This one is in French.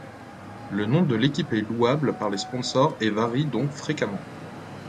Le nom de l'équipe est louable par les sponsors et varie donc fréquemment.